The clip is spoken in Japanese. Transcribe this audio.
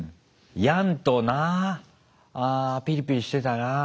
ヤンとなピリピリしてたな。